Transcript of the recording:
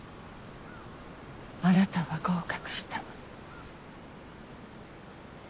あなたは合格した。